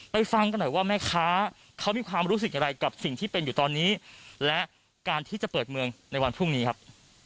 ฟังกันหน่อยว่าแม่ค้าเขามีความรู้สึกอย่างไรกับสิ่งที่เป็นอยู่ตอนนี้และการที่จะเปิดเมืองในวันพรุ่งนี้ครับ